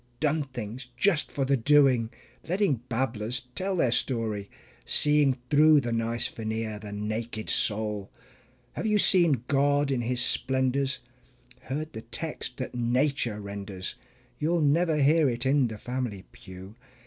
"Done things" just for the doing, letting babblers tell the story, Seeing through the nice veneer the naked soul? Have you seen God in His splendors, heard the text that nature renders? (You'll never hear it in the family pew).